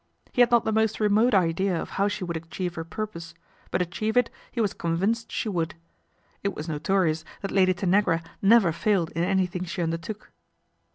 He had not the most remote idea of how she would achieve her purpose ; but achieve it he was con vinced she would. It was notorious that Lady Tanagra never failed in anything she undertook.